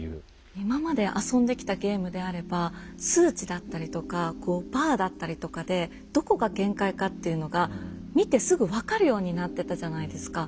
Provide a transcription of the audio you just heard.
今まで遊んできたゲームであれば数値だったりとかこうバーだったりとかでどこが限界かっていうのが見てすぐ分かるようになってたじゃないですか。